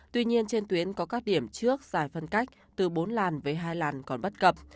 tuy nhiên trên tuyến có các điểm trước dài phân cách từ bốn làn với hai làn còn bất cập